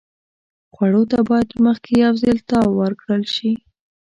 خوړو ته باید مخکې یو ځل تاو ورکړل شي.